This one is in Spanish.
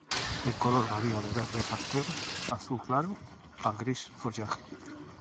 El color varía de verde pastel, azul claro a gris follaje.